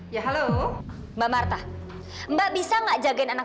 ya halo mbak marta mbak bisa gak jagain anak